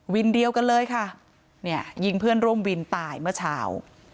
เดียวกันเลยค่ะเนี่ยยิงเพื่อนร่วมวินตายเมื่อเช้า